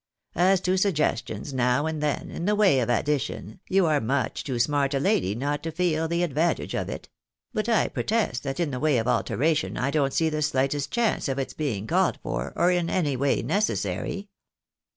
As to suggestions now and then, in the way of addition, you are much too smart a lady not to feel the advantage of it ; but I protest that in the way of alteration I don't see the slightest chance of its being called for, or in any way necessary.